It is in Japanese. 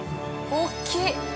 大きい。